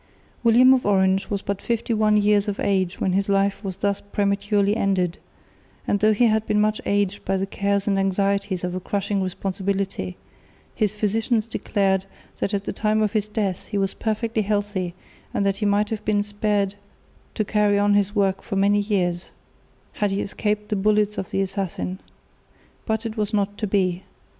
William of Orange was but fifty one years of age when his life was thus prematurely ended, and though he had been much aged by the cares and anxieties of a crushing responsibility, his physicians declared that at the time of his death he was perfectly healthy and that he might have been spared to carry on his work for many years, had he escaped the bullets of the assassin. But it was not to be.